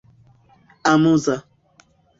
amuza